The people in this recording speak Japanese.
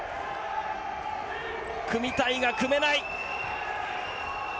組みたいが組めない。